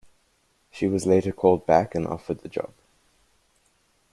She was later called back and offered the job.